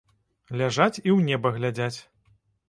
Ляжаць і ў неба глядзяць.